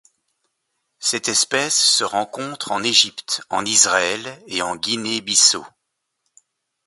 Cette espèce se rencontre en Égypte, en Israël et en Guinée-Bissau.